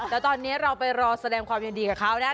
แล้วตอนนี้เราไปรอแสดงความยินดีกับเขานะ